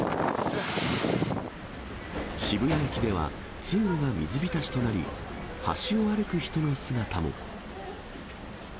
渋谷駅では通路が水浸しとなり、端を歩く人の姿も。